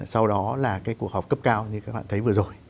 sau đó là cái cuộc họp cấp cao như các bạn thấy vừa rồi